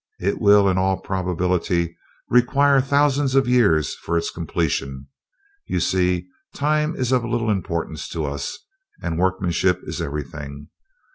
It will, in all probability, require thousands of years for its completion. You see, time is of little importance to us, and workmanship is everything.